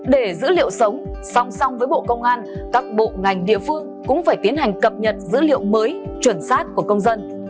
để dữ liệu sống song song với bộ công an các bộ ngành địa phương cũng phải tiến hành cập nhật dữ liệu mới chuẩn xác của công dân